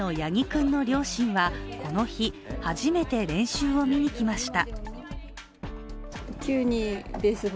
１年生の八木君の両親はこの日初めて練習を見にきました。